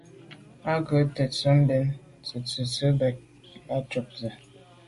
Û gə̄ sə̂' tə̀tswə́' mbɛ̂n bə̂ tə̀tswə́' mbə̄ bə̀k à' cúptə́ â sə́.